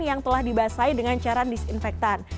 yang telah dibasahi dengan cairan disinfektan